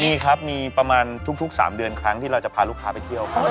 มีครับมีประมาณทุก๓เดือนครั้งที่เราจะพาลูกค้าไปเที่ยวครับ